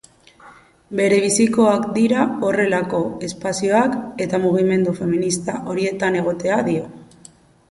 Berebizikoak dira horrelako espazioak, eta mugimendu feminista horietan egotea, dio.